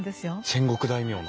戦国大名の？